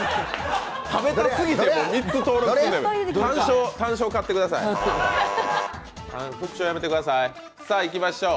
食べたすぎて３つって、単勝買ってください。